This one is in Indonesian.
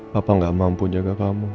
bapak gak mampu jaga kamu